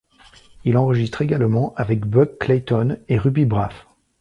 Il enregistre également avec Buck Clayton et Ruby Braff.